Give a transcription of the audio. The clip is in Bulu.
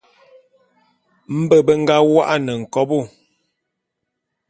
Mbe be nga wô'an nkobô.